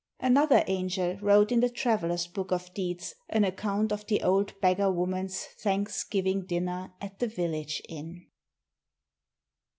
Another angel wrote in the traveler's book of deeds an account of the old beggar woman's Thanksgiving dinner at the village inn.